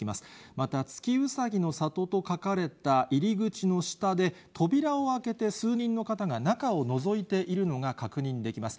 また、月うさぎの里と書かれた入り口の下で、扉を開けて数人の方が中をのぞいているのが確認できます。